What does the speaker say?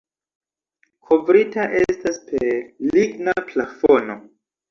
Kovrita estas per ligna plafono.